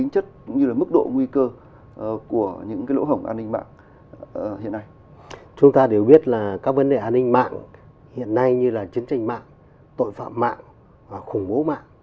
chúng ta đều biết là các vấn đề an ninh mạng hiện nay như là chiến tranh mạng tội phạm mạng và khủng bố mạng